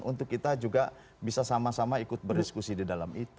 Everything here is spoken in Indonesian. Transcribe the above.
untuk kita juga bisa sama sama ikut berdiskusi di dalam itu